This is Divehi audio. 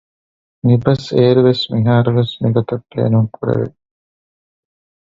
މިބަސް އޭރު ވެސް މިހާރު ވެސް މިގޮތަށް ބޭނުންކުރެވެ